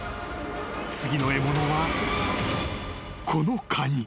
［次の獲物はこのカニ］